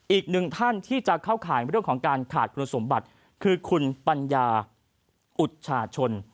อีกหนึ่งท่านที่จะเข้าข่ายเรื่องของการขาดคุณสมบัติคือคุณปัญญาอุจชาชน